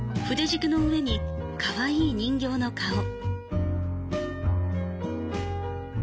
筆軸の上に、かわいい人形の顔。